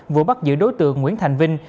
vừa bắt giữ đối tượng nguyễn thành vinh